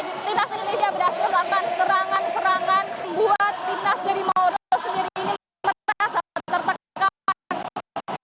timnas indonesia berhasil melakukan serangan serangan buat timnas dari mauros sendiri ini merasa tertekan